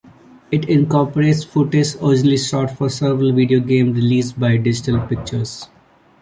It incorporates footage originally shot for several video games released by Digital Pictures.